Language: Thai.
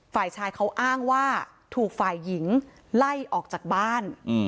ฝ่ายชายเขาอ้างว่าถูกฝ่ายหญิงไล่ออกจากบ้าน